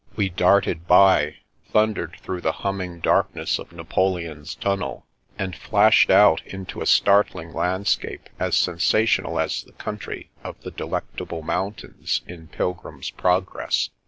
We darted by, thundered through the humming darkness of Napoleon's tunnel, and flashed out into a startling landscape, as sensational as the country of the " Delectable Mountains " in " Pilgrim's Progress."